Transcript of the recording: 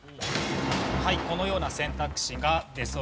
はいこのような選択肢が出そろいました。